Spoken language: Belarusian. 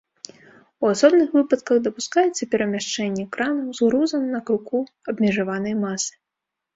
У асобных выпадках дапускаецца перамяшчэнне кранаў з грузам на круку абмежаванай масы.